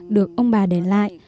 được ông bà để lại